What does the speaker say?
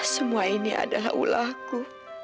semua ini adalah ulahku